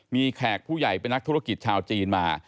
มีแขกผู้ใหญ่เป็นนักธุรกิจชาวจีนมา